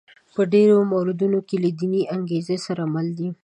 په ډېرو موردونو کې له دیني انګېزو سره مله دي.